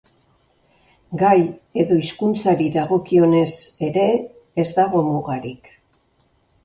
Gai edo hizkuntzari dagokionez ere ez dago mugarik.